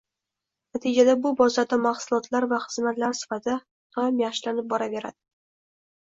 Natijada bu bozorda mahsulotlar va xizmatlar sifati doim yaxshilanib boraveradi.